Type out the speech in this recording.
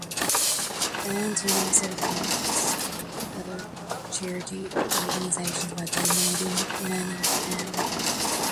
Valentin also helps other charity organizations by donating money to them.